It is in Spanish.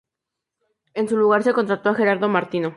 En su lugar se contrató a Gerardo Martino.